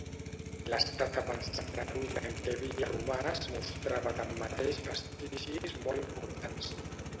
L'estat avançat de ruïna en què havia romàs mostrava tanmateix vestigis molt importants.